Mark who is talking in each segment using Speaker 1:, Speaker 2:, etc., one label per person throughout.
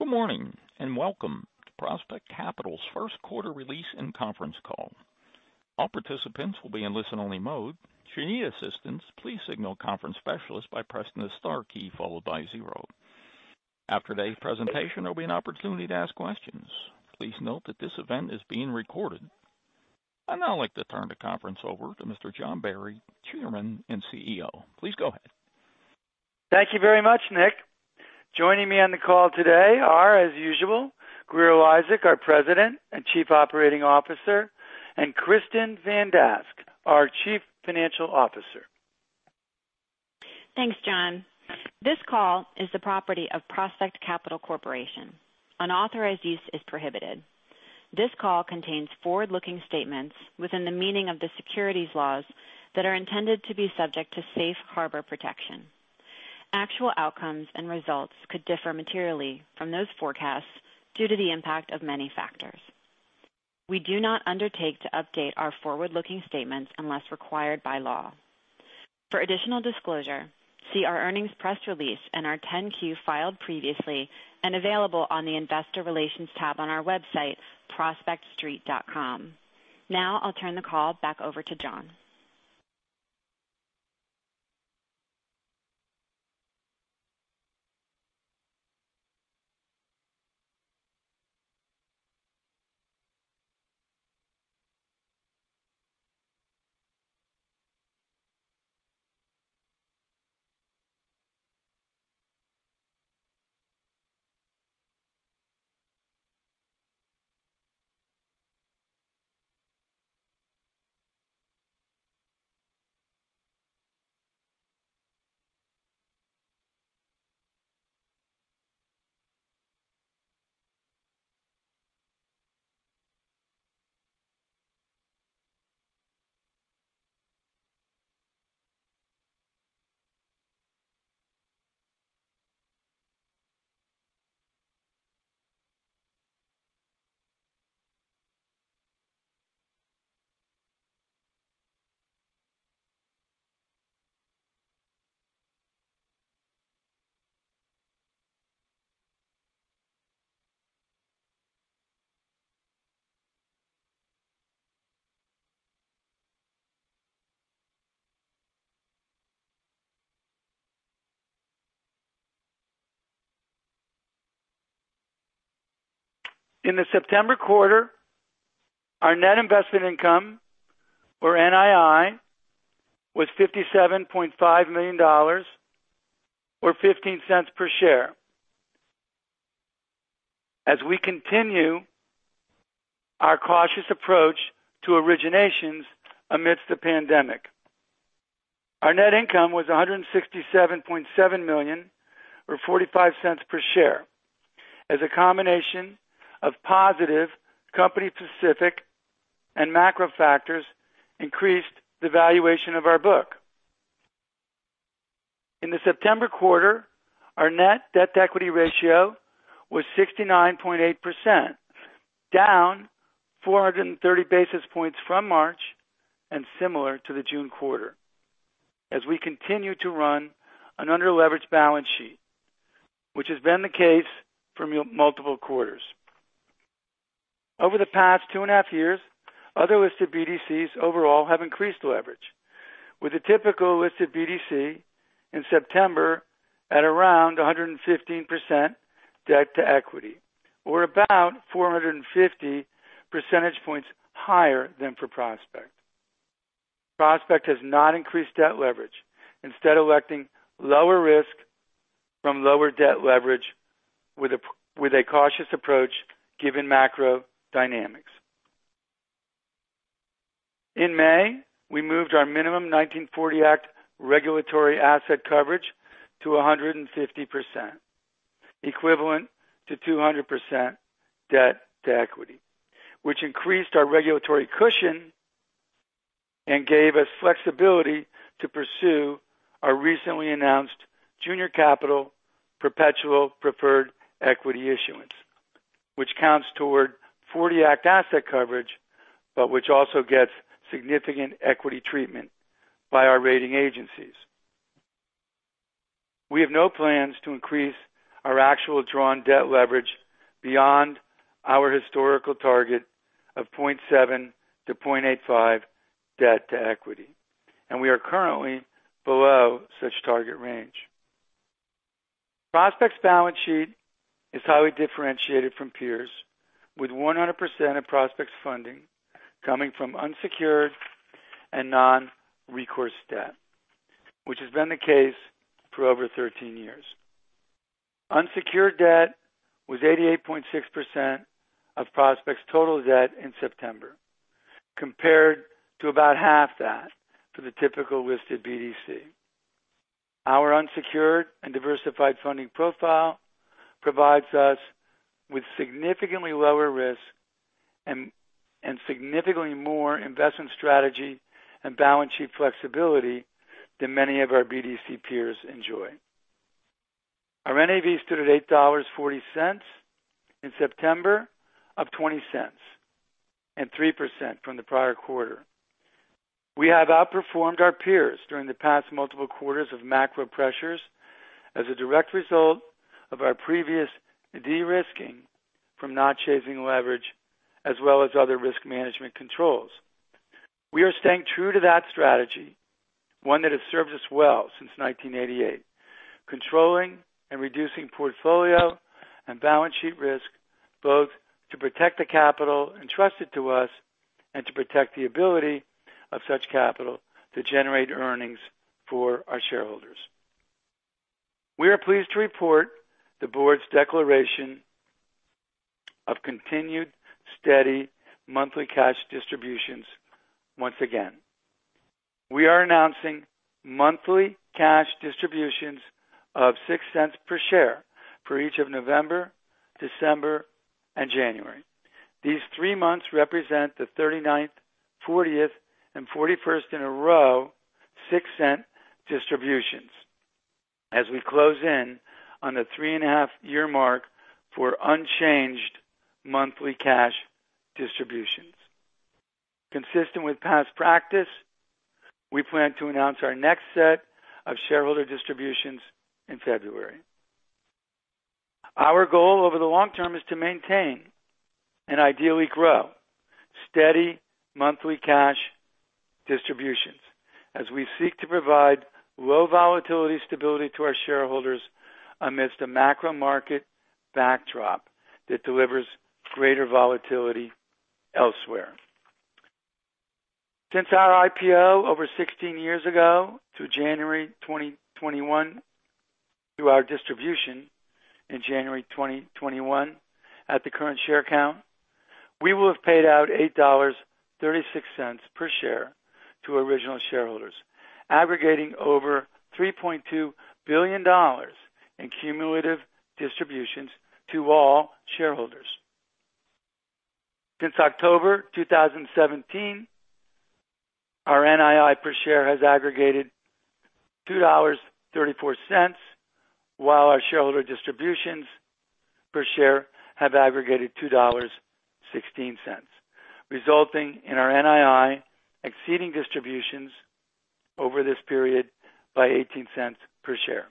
Speaker 1: Good morning, and welcome to Prospect Capital's first quarter release and conference call. After today's presentation, there'll be an opportunity to ask questions. Please note that this event is being recorded. I'd now like to turn the conference over to Mr. John Barry, Chairman and CEO. Please go ahead.
Speaker 2: Thank you very much, Nick. Joining me on the call today are, as usual, Grier Eliasek, our President and Chief Operating Officer, and Kristin Van Dask, our Chief Financial Officer.
Speaker 3: Thanks, John. This call is the property of Prospect Capital Corporation. Unauthorized use is prohibited. This call contains forward-looking statements within the meaning of the securities laws that are intended to be subject to Safe Harbor protection. Actual outcomes and results could differ materially from those forecasts due to the impact of many factors. We do not undertake to update our forward-looking statements unless required by law. For additional disclosure, see our earnings press release and our 10-Q filed previously and available on the Investor Relations tab on our website, prospectstreet.com. Now, I'll turn the call back over to John.
Speaker 2: In the September quarter, our net investment income, or NII, was $57.5 million, or $0.15 per share. As we continue our cautious approach to originations amidst the pandemic, our net income was $167.7 million or $0.45 per share as a combination of positive company-specific and macro factors increased the valuation of our book. In the September quarter, our net debt-to-equity ratio was 69.8%, down 430 basis points from March and similar to the June quarter as we continue to run an under-leveraged balance sheet, which has been the case for multiple quarters. Over the past 2.5 years, other listed BDCs overall have increased leverage, with the typical listed BDC in September at around 115% debt-to-equity, or about 450 percentage points higher than for Prospect. Prospect has not increased debt leverage, instead electing lower risk from lower debt leverage with a cautious approach given macro dynamics. In May, we moved our minimum 1940 Act regulatory asset coverage to 150%, equivalent to 200% debt-to-equity, which increased our regulatory cushion and gave us flexibility to pursue our recently announced junior capital perpetual preferred equity issuance, which counts toward 40 Act asset coverage, but which also gets significant equity treatment by our rating agencies. We have no plans to increase our actual drawn debt leverage beyond our historical target of 0.7-0.85 debt-to-equity. We are currently below such target range. Prospect's balance sheet is highly differentiated from peers, with 100% of Prospect's funding coming from unsecured and non-recourse debt, which has been the case for over 13 years. Unsecured debt was 88.6% of Prospect's total debt in September, compared to about half that for the typical listed BDC. Our unsecured and diversified funding profile provides us with significantly lower risk and significantly more investment strategy and balance sheet flexibility than many of our BDC peers enjoy. Our NAV stood at $8.40 in September, up $0.20 and 3% from the prior quarter. We have outperformed our peers during the past multiple quarters of macro pressures as a direct result of our previous de-risking from not chasing leverage as well as other risk management controls. We are staying true to that strategy, one that has served us well since 1988, controlling and reducing portfolio and balance sheet risk, both to protect the capital entrusted to us and to protect the ability of such capital to generate earnings for our shareholders. We are pleased to report the board's declaration of continued steady monthly cash distributions once again. We are announcing monthly cash distributions of $0.06 per share for each of November, December, and January. These three months represent the 39th, 40th, and 41st in a row $0.06 distributions as we close in on the three-and-a-half-year mark for unchanged monthly cash distributions. Consistent with past practice, we plan to announce our next set of shareholder distributions in February. Our goal over the long term is to maintain and ideally grow steady monthly cash distributions as we seek to provide low volatility stability to our shareholders amidst a macro market backdrop that delivers greater volatility elsewhere. Since our IPO over 16 years ago to January 2021, through our distribution in January 2021 at the current share count, we will have paid out $8.36 per share to original shareholders, aggregating over $3.2 billion in cumulative distributions to all shareholders. Since October 2017, our NII per share has aggregated $2.34, while our shareholder distributions per share have aggregated $2.16, resulting in our NII exceeding distributions over this period by $0.18 per share.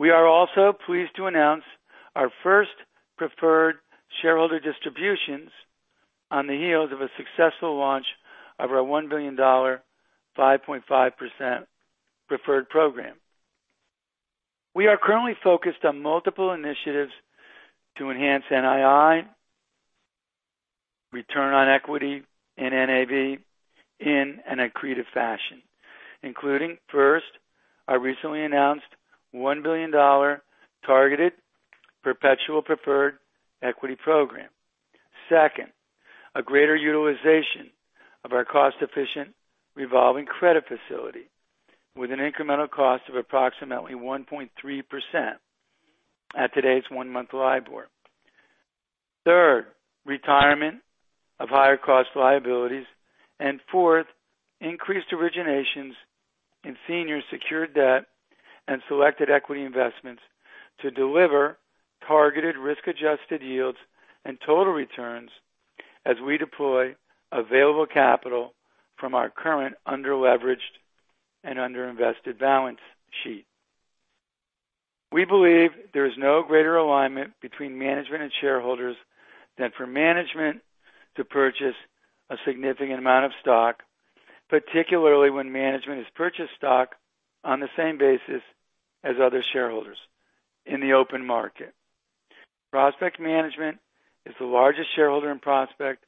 Speaker 2: We are also pleased to announce our first preferred shareholder distributions on the heels of a successful launch of our $1 billion 5.5% Preferred program. We are currently focused on multiple initiatives to enhance NII, return on equity in NAV in an accretive fashion, including, first, our recently announced $1 billion Targeted Perpetual Preferred Equity Program. Second, a greater utilization of our cost-efficient revolving credit facility with an incremental cost of approximately 1.3% at today's one-month LIBOR. Third, retirement of higher cost liabilities. Fourth, increased originations in senior secured debt and selected equity investments to deliver targeted risk-adjusted yields and total returns as we deploy available capital from our current under-leveraged and under-invested balance sheet. We believe there is no greater alignment between management and shareholders than for management to purchase a significant amount of stock, particularly when management has purchased stock on the same basis as other shareholders in the open market. Prospect Management is the largest shareholder in Prospect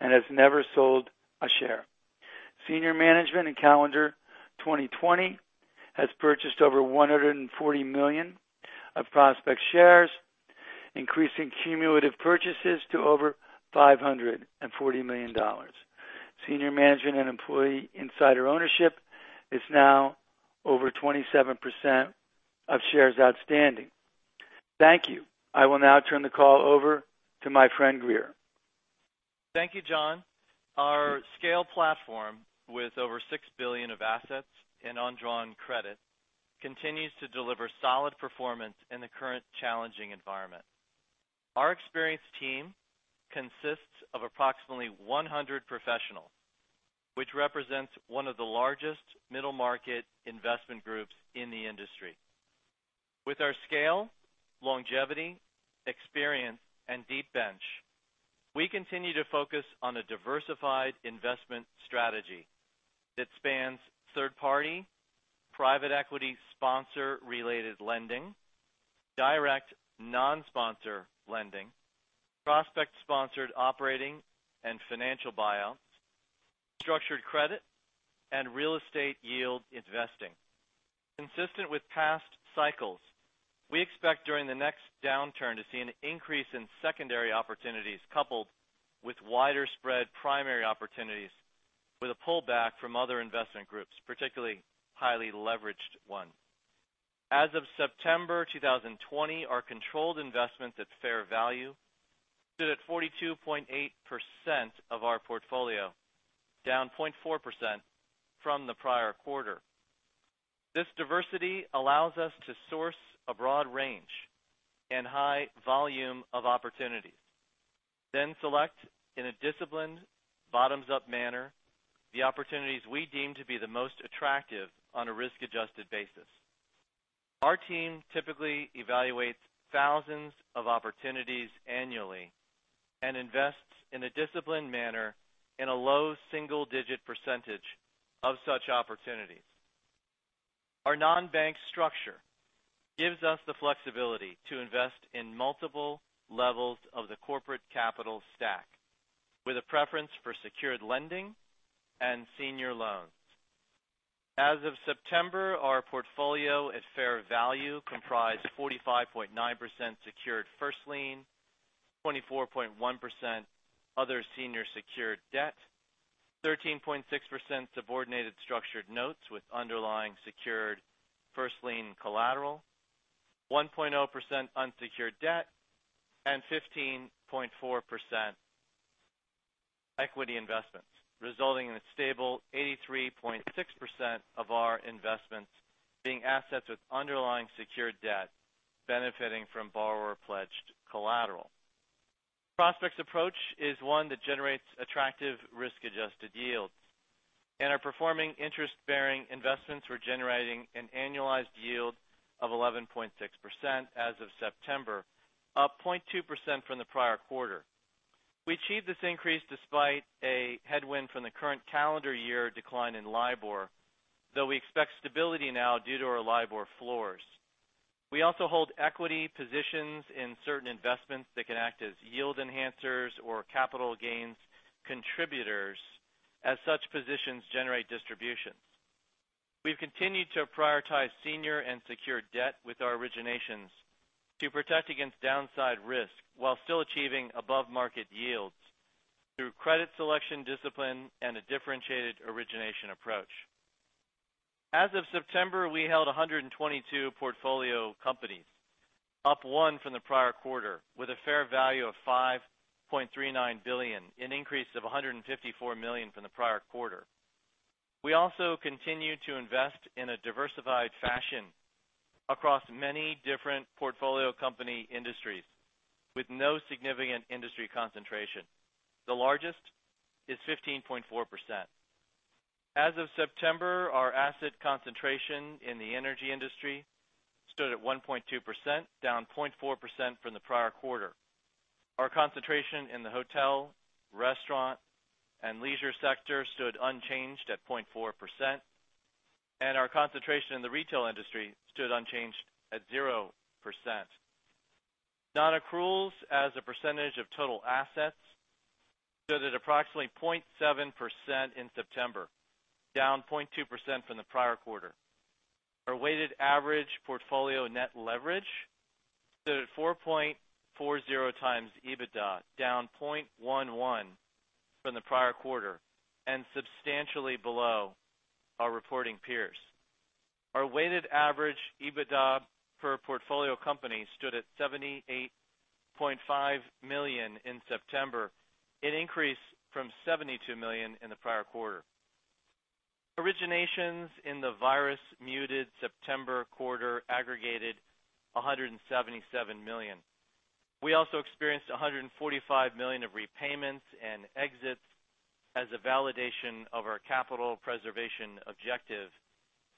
Speaker 2: and has never sold a share. Senior management in calendar 2020 has purchased over $140 million of Prospect shares, increasing cumulative purchases to over $540 million. Senior management and employee insider ownership is now over 27% of shares outstanding. Thank you. I will now turn the call over to my friend, Grier.
Speaker 4: Thank you, John. Our scale platform, with over $6 billion of assets in undrawn credit, continues to deliver solid performance in the current challenging environment. Our experienced team consists of approximately 100 professionals, which represents one of the largest middle-market investment groups in the industry. With our scale, longevity, experience, and deep bench, we continue to focus on a diversified investment strategy that spans third party, private equity sponsor-related lending, direct non-sponsor lending, Prospect-sponsored operating and financial buyouts, structured credit, and real estate yield investing. Consistent with past cycles, we expect during the next downturn to see an increase in secondary opportunities coupled with wider spread primary opportunities with a pullback from other investment groups, particularly highly leveraged ones. As of September 2020, our controlled investments at fair value stood at 42.8% of our portfolio, down 0.4% from the prior quarter. This diversity allows us to source a broad range and high volume of opportunities, then select in a disciplined, bottoms-up manner the opportunities we deem to be the most attractive on a risk-adjusted basis. Our team typically evaluates thousands of opportunities annually and invests in a disciplined manner in a low single-digit percentage of such opportunities. Our non-bank structure gives us the flexibility to invest in multiple levels of the corporate capital stack with a preference for secured lending and senior loans. As of September, our portfolio at fair value comprised 45.9% secured first lien, 24.1% other senior secured debt, 13.6% subordinated structured notes with underlying secured first lien collateral, 1.0% unsecured debt, and 15.4% equity investments, resulting in a stable 83.6% of our investments being assets with underlying secured debt benefiting from borrower-pledged collateral. Our performing interest-bearing investments were generating an annualized yield of 11.6% as of September, up 0.2% from the prior quarter. We achieved this increase despite a headwind from the current calendar year decline in LIBOR, though we expect stability now due to our LIBOR floors. We also hold equity positions in certain investments that can act as yield enhancers or capital gains contributors as such positions generate distributions. We've continued to prioritize senior and secured debt with our originations to protect against downside risk while still achieving above-market yields through credit selection discipline and a differentiated origination approach. As of September, we held 122 portfolio companies, up one from the prior quarter, with a fair value of $5.39 billion, an increase of $154 million from the prior quarter. We also continue to invest in a diversified fashion across many different portfolio company industries with no significant industry concentration. The largest is 15.4%. As of September, our asset concentration in the energy industry stood at 1.2%, down 0.4% from the prior quarter. Our concentration in the hotel, restaurant, and leisure sector stood unchanged at 0.4%, and our concentration in the retail industry stood unchanged at 0%. Non-accruals as a percentage of total assets stood at approximately 0.7% in September, down 0.2% from the prior quarter. Our weighted average portfolio net leverage stood at 4.40x EBITDA, down 0.11 from the prior quarter and substantially below our reporting peers. Our weighted average EBITDA per portfolio company stood at $78.5 million in September, an increase from $72 million in the prior quarter. Originations in the virus-muted September quarter aggregated $177 million. We also experienced $145 million of repayments and exits as a validation of our capital preservation objective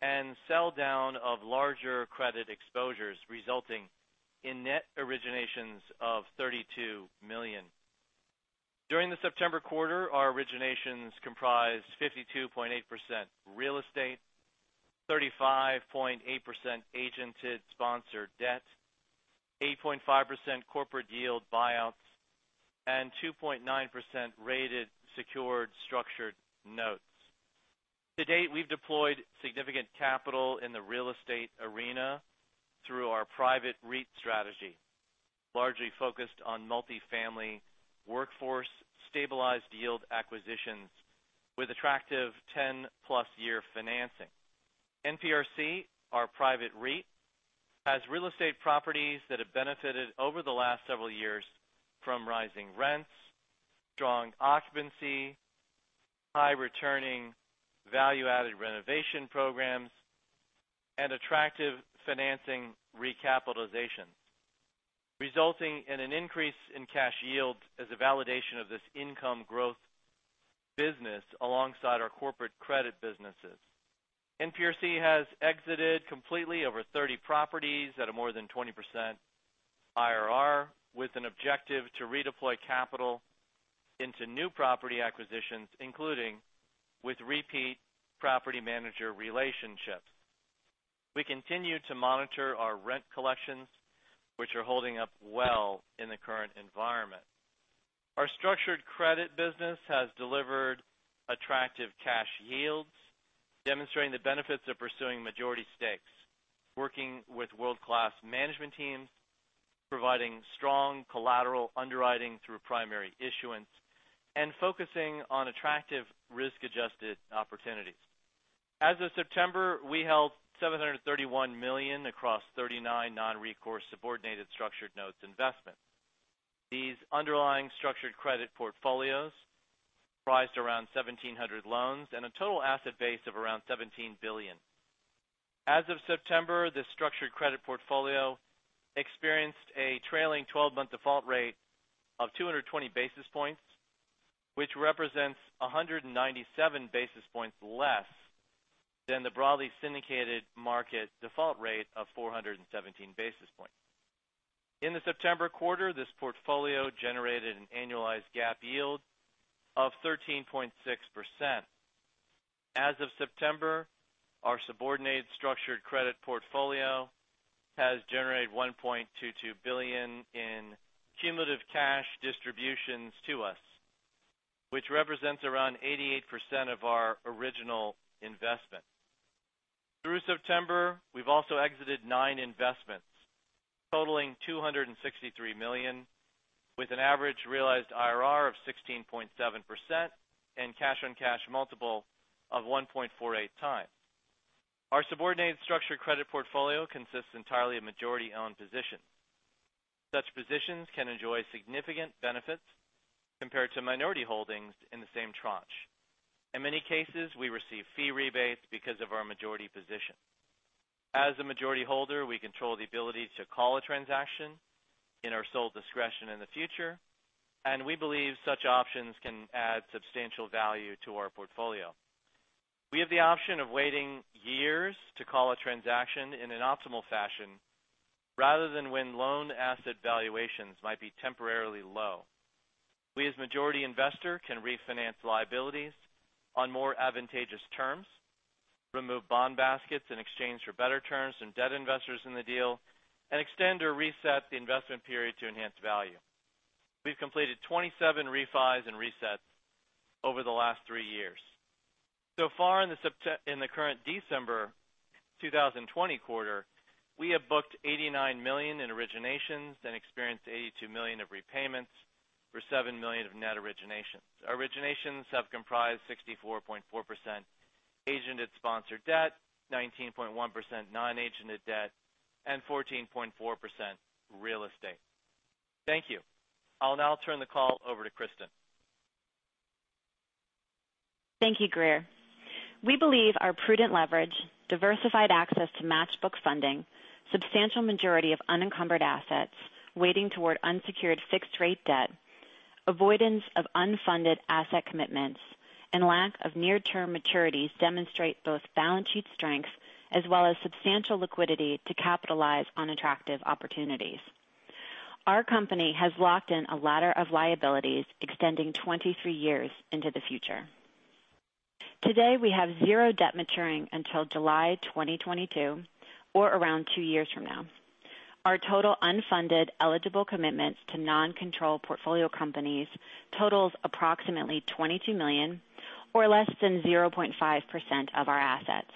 Speaker 4: and sell-down of larger credit exposures resulting in net originations of $32 million. During the September quarter, our originations comprised 52.8% real estate, 35.8% agented sponsored debt, 8.5% corporate yield buyouts, and 2.9% rated secured structured notes. To date, we've deployed significant capital in the real estate arena through our private REIT strategy, largely focused on multi-family workforce stabilized yield acquisitions with attractive 10+ year financing. NPRC, our private REIT, has real estate properties that have benefited over the last several years from rising rents, strong occupancy, high-returning value-added renovation programs, and attractive financing recapitalizations, resulting in an increase in cash yield as a validation of this income growth business alongside our corporate credit businesses. NPRC has exited completely over 30 properties at a more than 20% IRR with an objective to redeploy capital into new property acquisitions, including with repeat property manager relationships. We continue to monitor our rent collections, which are holding up well in the current environment. Our structured credit business has delivered attractive cash yields, demonstrating the benefits of pursuing majority stakes, working with world-class management teams, providing strong collateral underwriting through primary issuance, and focusing on attractive risk-adjusted opportunities. As of September, we held $731 million across 39 non-recourse subordinated structured notes investment. These underlying structured credit portfolios comprise around 1,700 loans and a total asset base of around $17 billion. As of September, the structured credit portfolio experienced a trailing 12-month default rate of 220 basis points, which represents 197 basis points less than the broadly syndicated market default rate of 417 basis points. In the September quarter, this portfolio generated an annualized GAAP yield of 13.6%. As of September, our subordinated structured credit portfolio has generated $1.22 billion in cumulative cash distributions to us, which represents around 88% of our original investment. Through September, we've also exited nine investments totaling $263 million, with an average realized IRR of 16.7% and cash-on-cash multiple of 1.48x. Our subordinated structured credit portfolio consists entirely of majority-owned positions. Such positions can enjoy significant benefits compared to minority holdings in the same tranche. In many cases, we receive fee rebates because of our majority position. As a majority holder, we control the ability to call a transaction in our sole discretion in the future, and we believe such options can add substantial value to our portfolio. We have the option of waiting years to call a transaction in an optimal fashion rather than when loan asset valuations might be temporarily low. We, as majority investor, can refinance liabilities on more advantageous terms, remove bond baskets in exchange for better terms from debt investors in the deal, and extend or reset the investment period to enhance value. We've completed 27 refis and resets over the last three years. So far in the current December 2020 quarter, we have booked $89 million in originations and experienced $82 million of repayments for $7 million of net originations. Our originations have comprised 64.4% agented sponsored debt, 19.1% non-agented debt, and 14.4% real estate. Thank you. I'll now turn the call over to Kristin.
Speaker 3: Thank you, Grier. We believe our prudent leverage, diversified access to match book funding, substantial majority of unencumbered assets weighting toward unsecured fixed-rate debt, avoidance of unfunded asset commitments, and lack of near-term maturities demonstrate both balance sheet strengths as well as substantial liquidity to capitalize on attractive opportunities. Our company has locked in a ladder of liabilities extending 23 years into the future. Today, we have zero debt maturing until July 2022 or around two years from now. Our total unfunded eligible commitments to non-control portfolio companies totals approximately $22 million or less than 0.5% of our assets.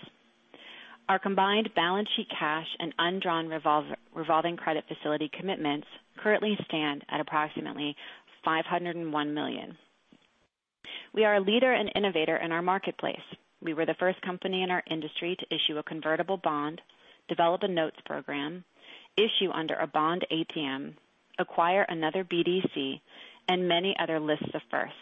Speaker 3: Our combined balance sheet cash and undrawn revolving credit facility commitments currently stand at approximately $501 million. We are a leader and innovator in our marketplace. We were the first company in our industry to issue a convertible bond, develop a notes program, issue under a bond ATM, acquire another BDC, and many other lists of firsts.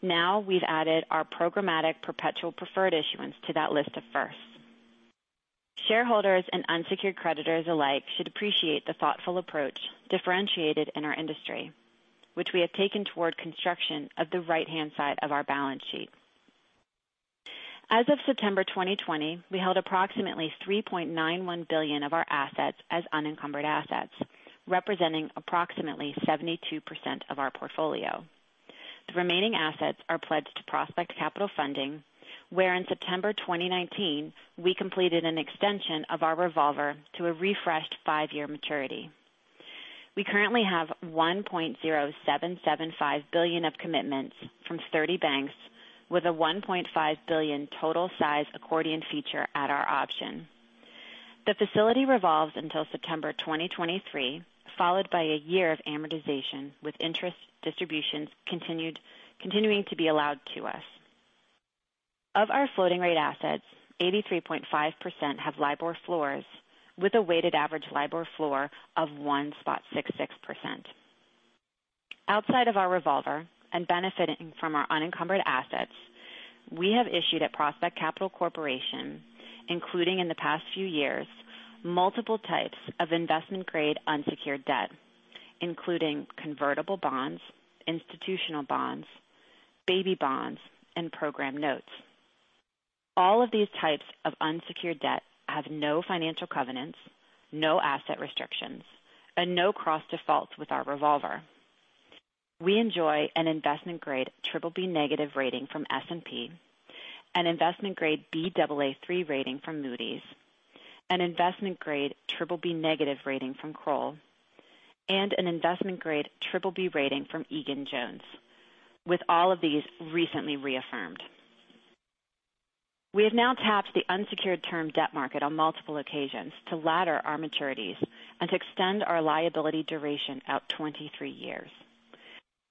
Speaker 3: Now we've added our programmatic perpetual preferred issuance to that list of firsts. Shareholders and unsecured creditors alike should appreciate the thoughtful approach differentiated in our industry, which we have taken toward construction of the right-hand side of our balance sheet. As of September 2020, we held approximately $3.91 billion of our assets as unencumbered assets, representing approximately 72% of our portfolio. The remaining assets are pledged to Prospect Capital Funding, where in September 2019, we completed an extension of our revolver to a refreshed five-year maturity. We currently have $1.0775 billion of commitments from 30 banks with a $1.5 billion total size accordion feature at our option. The facility revolves until September 2023, followed by a year of amortization with interest distributions continuing to be allowed to us. Of our floating rate assets, 83.5% have LIBOR floors with a weighted average LIBOR floor of 1.66%. Outside of our revolver and benefiting from our unencumbered assets, we have issued at Prospect Capital Corporation, including in the past few years, multiple types of investment-grade unsecured debt, including convertible bonds, institutional bonds, baby bonds, and program notes. All of these types of unsecured debt have no financial covenants, no asset restrictions, and no cross defaults with our revolver. We enjoy an investment-grade BBB- rating from S&P, an investment-grade Baa3 rating from Moody's, an investment-grade BBB- rating from Kroll, and an investment-grade BBB rating from Egan-Jones, with all of these recently reaffirmed. We have now tapped the unsecured term debt market on multiple occasions to ladder our maturities and to extend our liability duration out 23 years.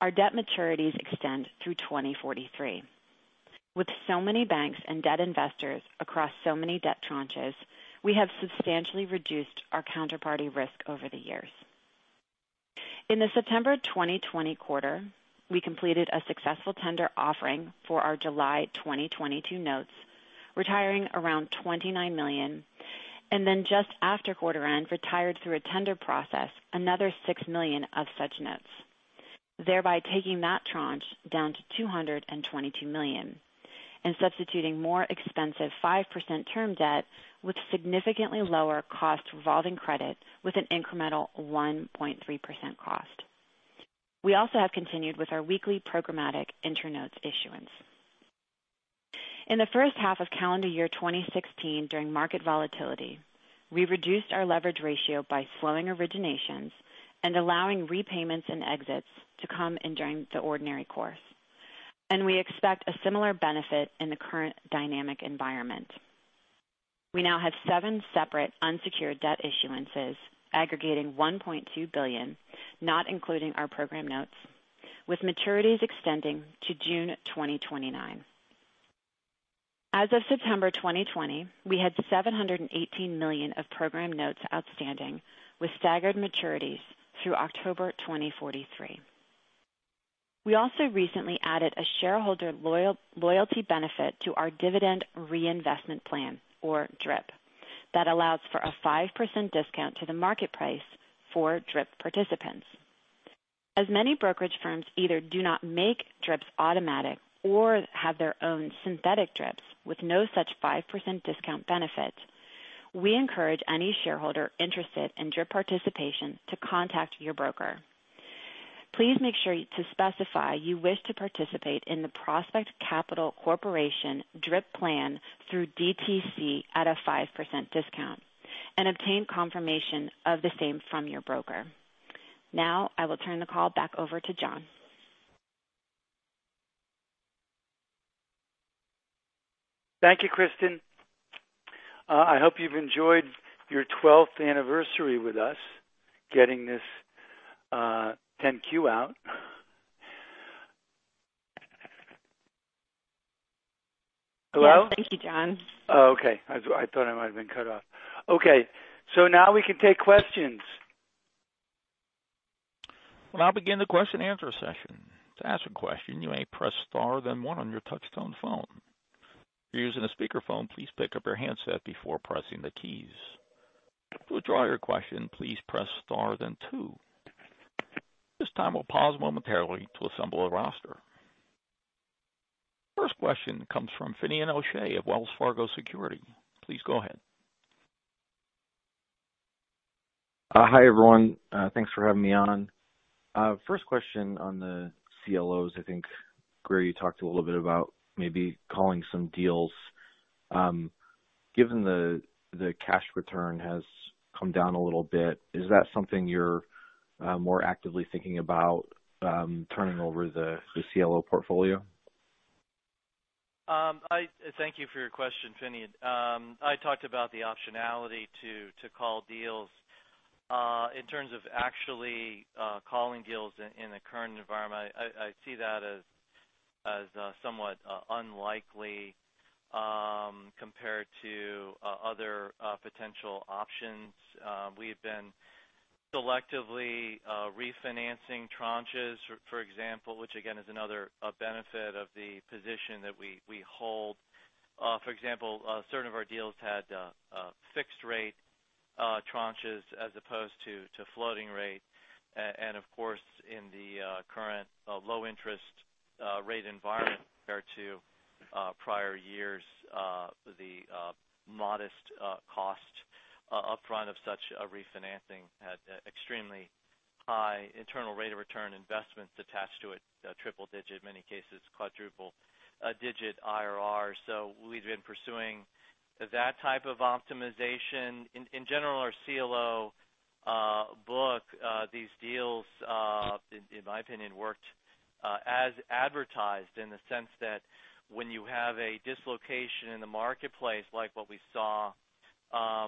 Speaker 3: Our debt maturities extend through 2043. With so many banks and debt investors across so many debt tranches, we have substantially reduced our counterparty risk over the years. In the September 2020 quarter, we completed a successful tender offering for our July 2022 notes, retiring around $29 million, and then just after quarter end, retired through a tender process, another $6 million of such notes, thereby taking that tranche down to $222 million and substituting more expensive 5% term debt with significantly lower cost revolving credit with an incremental 1.3% cost. We also have continued with our weekly programmatic InterNotes issuance. In the first half of calendar year 2016, during market volatility, we reduced our leverage ratio by slowing originations and allowing repayments and exits to come in during the ordinary course. We expect a similar benefit in the current dynamic environment. We now have seven separate unsecured debt issuances aggregating $1.2 billion, not including our program notes, with maturities extending to June 2029. As of September 2020, we had $718 million of program notes outstanding with staggered maturities through October 2043. We also recently added a shareholder loyalty benefit to our dividend reinvestment plan, or DRIP, that allows for a 5% discount to the market price for DRIP participants. As many brokerage firms either do not make DRIPs automatic or have their own synthetic DRIPs with no such 5% discount benefit, we encourage any shareholder interested in DRIP participation to contact your broker. Please make sure to specify you wish to participate in the Prospect Capital Corporation DRIP plan through DTC at a 5% discount and obtain confirmation of the same from your broker. I will turn the call back over to John.
Speaker 2: Thank you, Kristin. I hope you've enjoyed your 12th anniversary with us, getting this 10-Q out. Hello?
Speaker 3: Yes. Thank you, John.
Speaker 2: Okay. I thought I might have been cut off. Okay. Now we can take questions.
Speaker 1: Begin the question and answer session. First question comes from Finian O'Shea of Wells Fargo Securities. Please go ahead.
Speaker 5: Hi, everyone. Thanks for having me on. First question on the CLOs. I think, Grier, you talked a little bit about maybe calling some deals. Given the cash return has come down a little bit, is that something you're more actively thinking about turning over the CLO portfolio?
Speaker 4: Thank you for your question, Finian. I talked about the optionality to call deals. In terms of actually calling deals in the current environment, I see that as somewhat unlikely compared to other potential options. We've been selectively refinancing tranches, for example, which again, is another benefit of the position that we hold. For example, certain of our deals had fixed rate tranches as opposed to floating rate. Of course, in the current low interest rate environment compared to prior years, the modest cost upfront of such a refinancing had extremely high internal rate of return investments attached to it, triple-digit, in many cases, quadruple-digit IRR. We've been pursuing that type of optimization. In general, our CLO book, these deals, in my opinion, worked as advertised in the sense that when you have a dislocation in the marketplace, like what we saw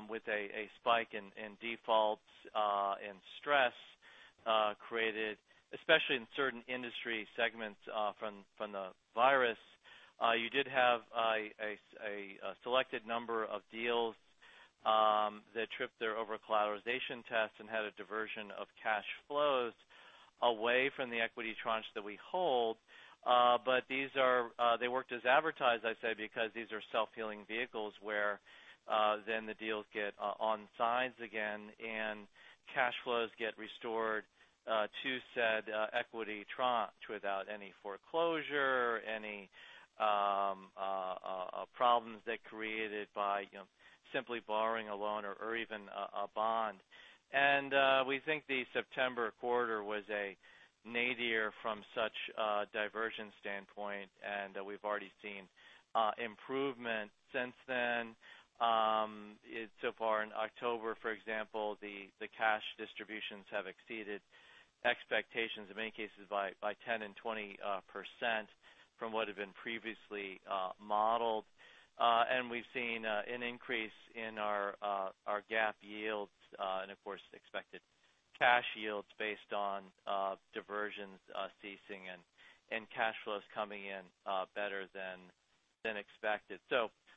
Speaker 4: with a spike in defaults and stress created, especially in certain industry segments from the virus, you did have a selected number of deals that tripped their over-collateralization tests and had a diversion of cash flows away from the equity tranche that we hold. They worked as advertised, I'd say, because these are self-healing vehicles, where then the deals get on sides again, and cash flows get restored to said equity tranche without any foreclosure, any problems they created by simply borrowing a loan or even a bond. We think the September quarter was a nadir from such a diversion standpoint, and we've already seen improvement since then. So far in October, for example, the cash distributions have exceeded expectations, in many cases by 10% and 20% from what had been previously modeled. We've seen an increase in our GAAP yields, and of course, expected cash yields based on diversions ceasing and cash flows coming in better than expected.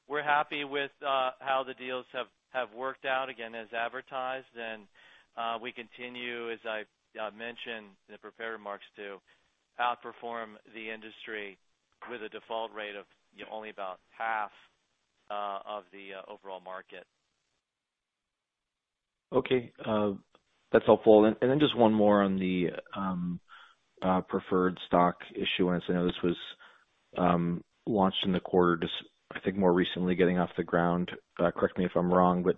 Speaker 4: We're happy with how the deals have worked out, again, as advertised. We continue, as I mentioned in the prepared remarks, to outperform the industry with a default rate of only about half of the overall market.
Speaker 5: Okay. That's helpful. Then just one more on the preferred stock issuance. I know this was launched in the quarter just, I think, more recently getting off the ground. Correct me if I'm wrong, but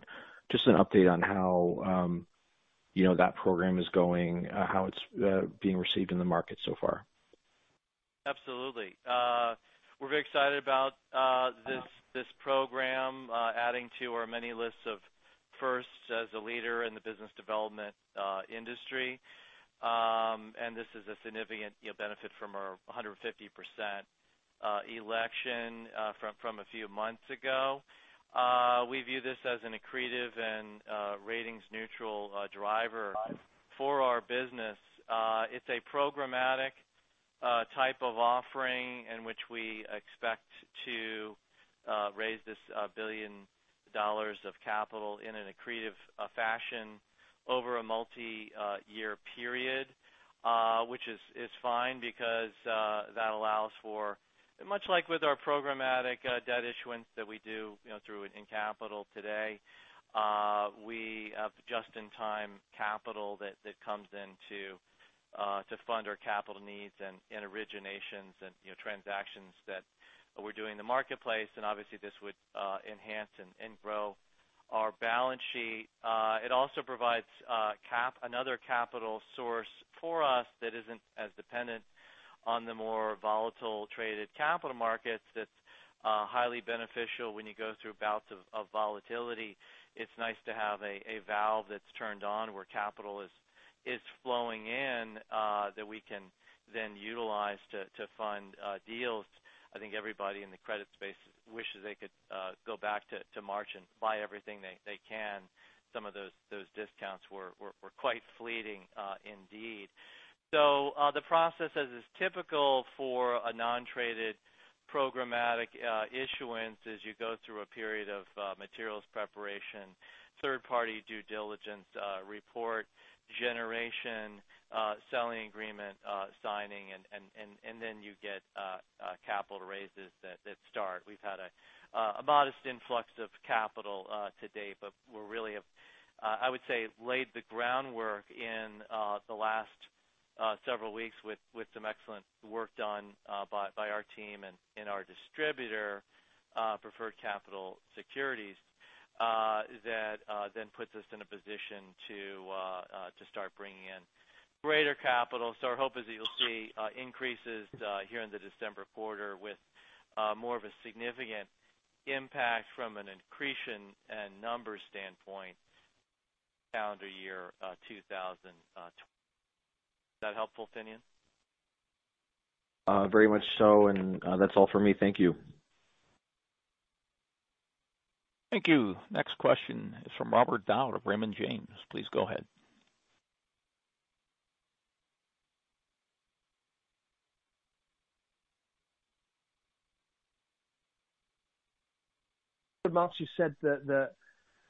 Speaker 5: just an update on how that program is going, how it's being received in the market so far.
Speaker 4: Absolutely. We're very excited about this program, adding to our many lists of firsts as a leader in the business development industry. This is a significant benefit from our 150% election from a few months ago. We view this as an accretive and ratings-neutral driver for our business. It's a programmatic type of offering in which we expect to raise this $1 billion of capital in an accretive fashion over a multi-year period, which is fine because that allows for much like with our programmatic debt issuance that we do through in Capital today, we have just-in-time capital that comes in to fund our capital needs and originations and transactions that we do in the marketplace. Obviously, this would enhance and grow our balance sheet. It also provides another capital source for us that isn't as dependent on the more volatile traded capital markets. That's highly beneficial when you go through bouts of volatility. It's nice to have a valve that's turned on where capital is flowing in that we can then utilize to fund deals. I think everybody in the credit space wishes they could go back to March and buy everything they can. Some of those discounts were quite fleeting indeed. The process, as is typical for a non-traded programmatic issuance, is you go through a period of materials preparation, third-party due diligence report generation, selling agreement signing, and then you get capital raises that start. We've had a modest influx of capital to date, but we really have, I would say, laid the groundwork in the last several weeks with some excellent work done by our team and our distributor, Preferred Capital Securities. That then puts us in a position to start bringing in greater capital. Our hope is that you'll see increases here in the December quarter with more of a significant impact from an accretion and numbers standpoint, calendar year 2021. Is that helpful, Finian?
Speaker 5: Very much so. That's all for me. Thank you.
Speaker 1: Thank you. Next question is from Robert Dodd of Raymond James. Please go ahead.
Speaker 6: Grier, you said that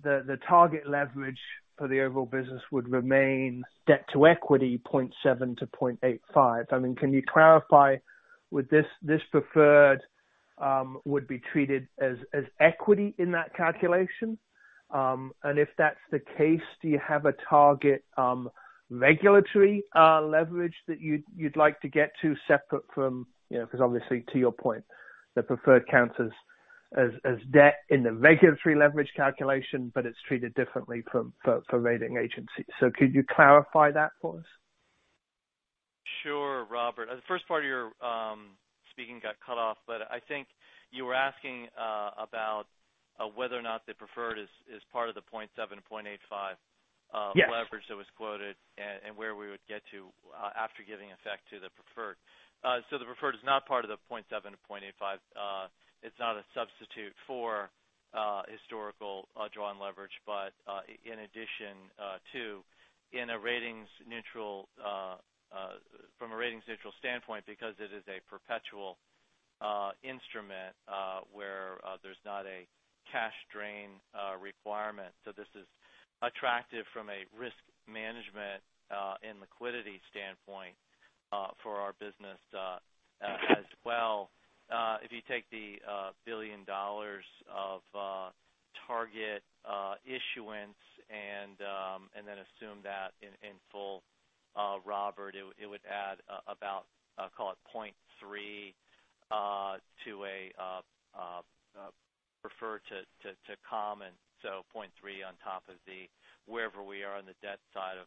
Speaker 6: the target leverage for the overall business would remain debt-to-equity 0.7-0.85. I mean, can you clarify, would this preferred be treated as equity in that calculation? If that's the case, do you have a target regulatory leverage that you'd like to get to because obviously, to your point, the preferred counts as debt in the regulatory leverage calculation, but it's treated differently for rating agencies. Could you clarify that for us?
Speaker 4: Sure, Robert. The first part of your speaking got cut off, but I think you were asking about whether or not the preferred is part of the 0.7-0.85-
Speaker 6: Yes.
Speaker 4: Leverage that was quoted and where we would get to after giving effect to the preferred. The preferred is not part of the 0.7-0.85. It's not a substitute for historical drawn leverage, but in addition to, from a ratings-neutral standpoint, because it is a perpetual instrument where there's not a cash drain requirement. This is attractive from a risk management and liquidity standpoint for our business as well. If you take the $1 billion of target issuance and then assume that in full, Robert, it would add about, call it 0.3 to a preferred to common. 0.3 on top of wherever we are on the debt side of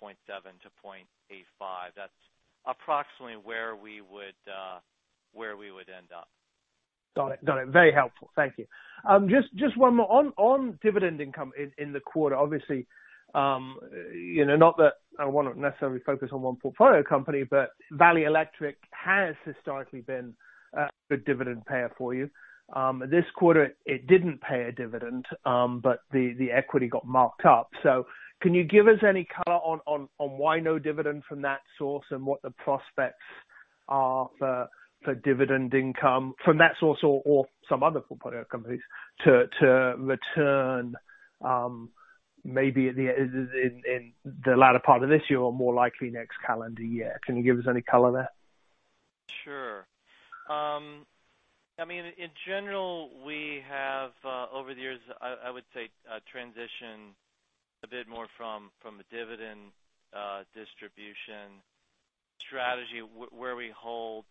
Speaker 4: 0.7-0.85. That's approximately where we would end up.
Speaker 6: Got it. Very helpful. Thank you. Just one more. On dividend income in the quarter, obviously, not that I want to necessarily focus on one portfolio company, but Valley Electric has historically been a good dividend payer for you. This quarter, it didn't pay a dividend, but the equity got marked up. Can you give us any color on why no dividend from that source, and what the prospects are for dividend income from that source or some other portfolio companies to return, maybe in the latter part of this year or more likely next calendar year? Can you give us any color there?
Speaker 4: Sure. In general, we have, over the years, I would say, transitioned a bit more from a dividend distribution strategy, where we hold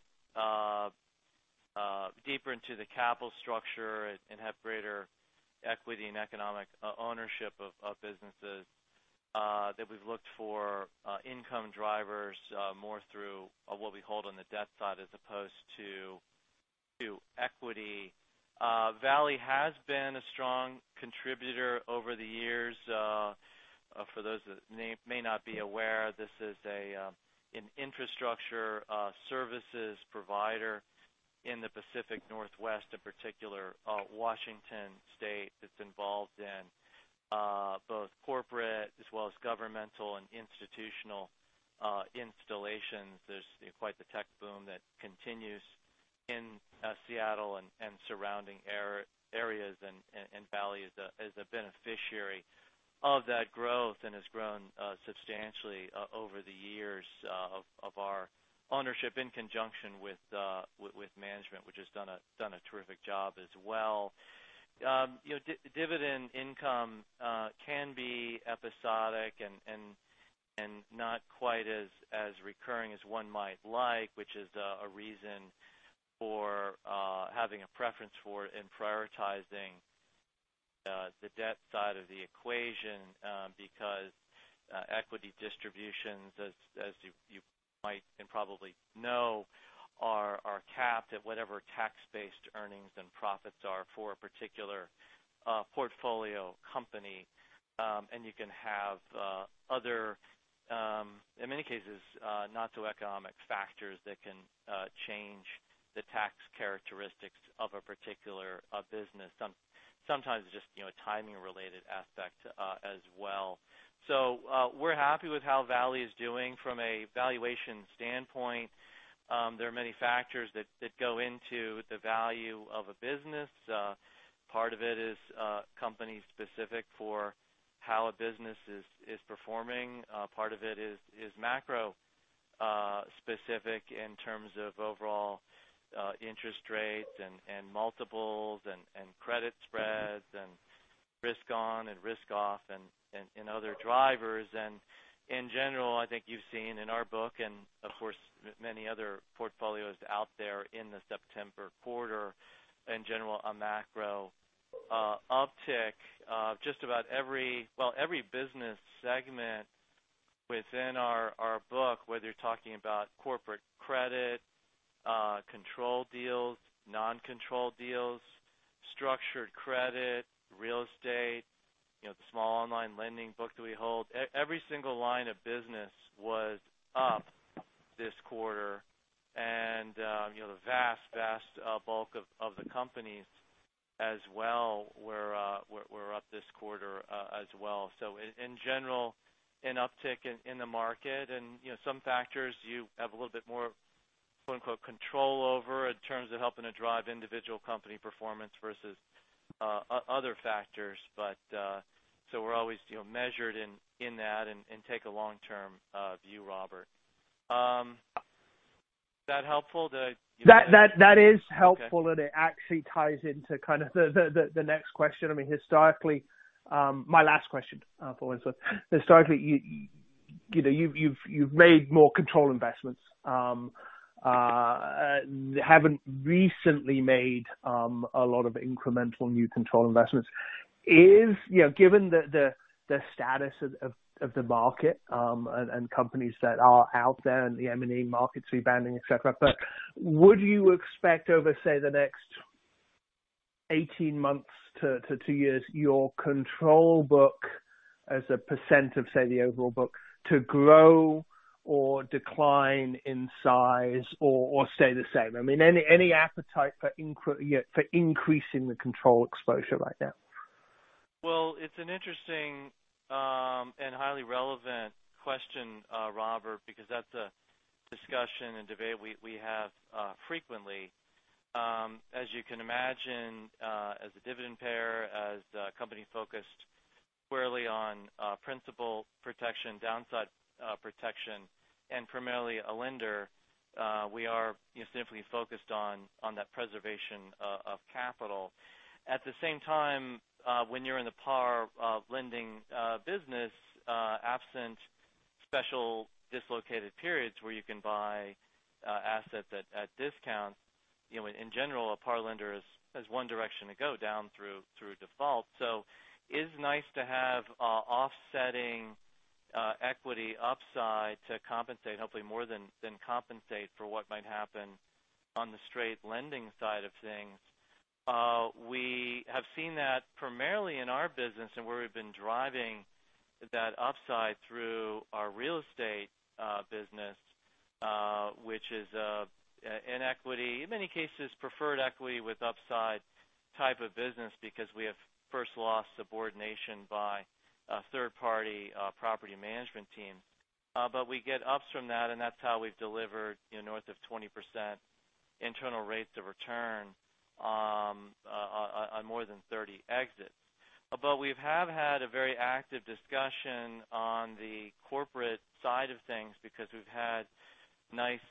Speaker 4: deeper into the capital structure and have greater equity and economic ownership of businesses that we've looked for income drivers more through what we hold on the debt side as opposed to equity. Valley has been a strong contributor over the years. For those that may not be aware, this is an infrastructure services provider in the Pacific Northwest, in particular, Washington State, that's involved in both corporate as well as governmental and institutional installations. There's quite the tech boom that continues in Seattle and surrounding areas, and Valley is a beneficiary of that growth and has grown substantially over the years of our ownership in conjunction with management, which has done a terrific job as well. Dividend income can be episodic and not quite as recurring as one might like, which is a reason for having a preference for it and prioritizing the debt side of the equation. Because equity distributions, as you might and probably know, are capped at whatever tax-based earnings and profits are for a particular portfolio company. And you can have other, in many cases, not-so-economic factors that can change the tax characteristics of a particular business. Sometimes it's just a timing-related aspect as well. We're happy with how Valley is doing from a valuation standpoint. There are many factors that go into the value of a business. Part of it is company specific for how a business is performing. Part of it is macro-specific in terms of overall interest rates and multiples and credit spreads and risk on and risk off and other drivers. In general, I think you've seen in our book and, of course, many other portfolios out there in the September quarter, in general, a macro uptick of just about every business segment within our book, whether you're talking about corporate credit, controlled deals, non-controlled deals, structured credit, real estate, the small online lending book that we hold. Every single line of business was up this quarter. The vast bulk of the companies as well were up this quarter as well. In general, an uptick in the market. Some factors you have a little bit more control over in terms of helping to drive individual company performance versus other factors. We're always measured in that and take a long-term view, Robert. Is that helpful?
Speaker 6: That is helpful.
Speaker 4: Okay.
Speaker 6: It actually ties into the next question. My last question for today. Historically, you've made more control investments. Haven't recently made a lot of incremental new control investments. Given the status of the market and companies that are out there and the M&A markets rebounding, et cetera, would you expect over, say, the next 18 months to two years, your control book as a percent of, say, the overall book to grow or decline in size or stay the same? Any appetite for increasing the control exposure right now?
Speaker 4: Well, it's an interesting and highly relevant question, Robert, because that's a discussion and debate we have frequently. As you can imagine, as a dividend payer, as a company focused squarely on principal protection, downside protection, and primarily a lender, we are significantly focused on that preservation of capital. At the same time, when you're in the par lending business, absent special dislocated periods where you can buy assets at discount, in general, a par lender has one direction to go, down through default. It is nice to have offsetting equity upside to compensate, hopefully more than compensate for what might happen on the straight lending side of things. We have seen that primarily in our business and where we've been driving that upside through our real estate business, which is an equity, in many cases, preferred equity with upside type of business because we have first loss subordination by a third party property management team. We get ups from that, and that's how we've delivered north of 20% internal rates of return on more than 30 exits. We have had a very active discussion on the corporate side of things because we've had nice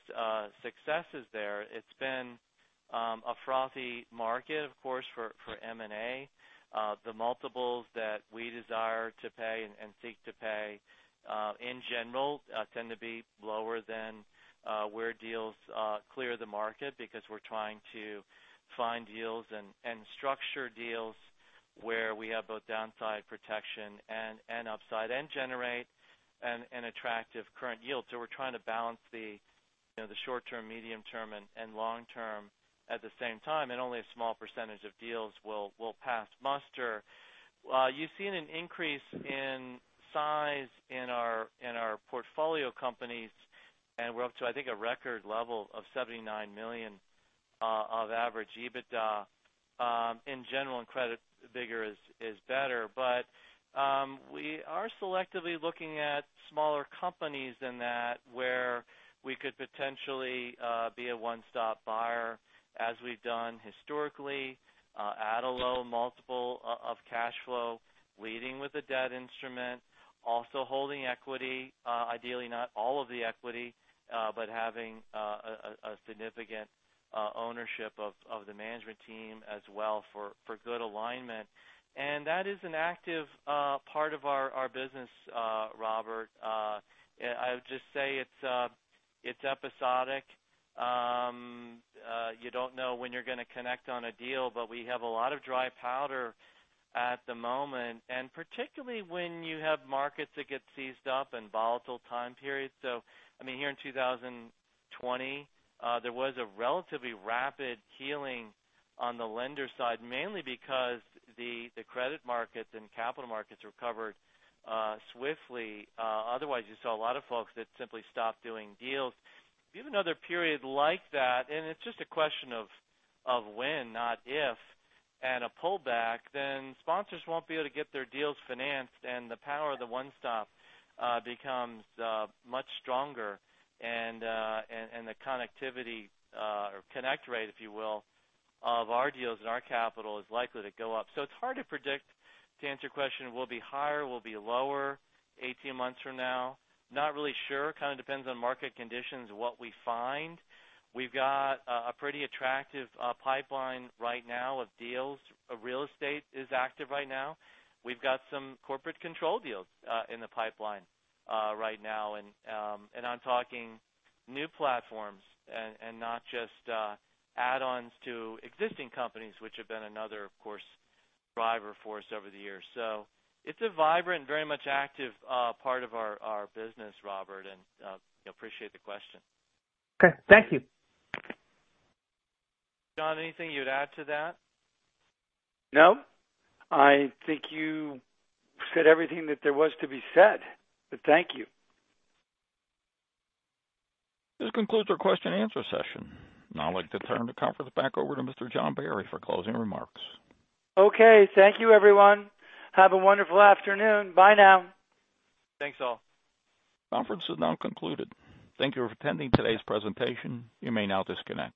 Speaker 4: successes there. It's been a frothy market, of course, for M&A. The multiples that we desire to pay and seek to pay, in general, tend to be lower than where deals clear the market because we're trying to find deals and structure deals where we have both downside protection and upside, and generate an attractive current yield. We're trying to balance the short-term, medium-term, and long-term at the same time, and only a small % of deals will pass muster. You've seen an increase in size in our portfolio companies, and we're up to, I think, a record level of $79 million of average EBITDA. In general, in credit, bigger is better. We are selectively looking at smaller companies than that, where we could potentially be a one-stop buyer, as we've done historically, at a low multiple of cash flow, leading with a debt instrument, also holding equity. Ideally, not all of the equity, but having a significant ownership of the management team as well for good alignment. That is an active part of our business, Robert. I would just say it's episodic. You don't know when you're going to connect on a deal, but we have a lot of dry powder at the moment, and particularly when you have markets that get seized up in volatile time periods. Here in 2020, there was a relatively rapid healing on the lender side, mainly because the credit markets and capital markets recovered swiftly. Otherwise, you saw a lot of folks that simply stopped doing deals. If you have another period like that, and it's just a question of when, not if, and a pullback, then sponsors won't be able to get their deals financed, and the power of the one-stop becomes much stronger, and the connectivity or connect rate, if you will, of our deals and our capital is likely to go up. It's hard to predict, to answer your question, will it be higher, will it be lower 18 months from now? Not really sure. Kind of depends on market conditions and what we find. We've got a pretty attractive pipeline right now of deals. Real estate is active right now. We've got some corporate control deals in the pipeline right now. I'm talking new platforms and not just add-ons to existing companies, which have been another, of course, driver for us over the years. It's a vibrant and very much active part of our business, Robert, and appreciate the question.
Speaker 6: Okay. Thank you.
Speaker 4: John, anything you'd add to that?
Speaker 2: No. I think you said everything that there was to be said. Thank you.
Speaker 1: This concludes our question and answer session. Now I'd like to turn the conference back over to Mr. John Barry for closing remarks.
Speaker 2: Okay. Thank you, everyone. Have a wonderful afternoon. Bye now.
Speaker 4: Thanks, all.
Speaker 1: Conference is now concluded. Thank you for attending today's presentation. You may now disconnect.